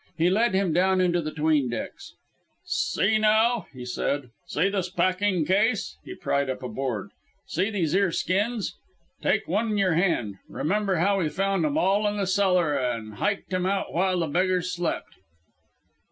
He led him down into the 'tween decks. "See now," he said. "See this packing case" he pried up a board "see these 'ere skins. Take one in y'r hand. Remember how we found 'em all in the cellar and hyked 'em out while the beggars slept?"